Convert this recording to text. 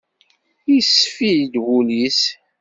Isfi-d wul-is.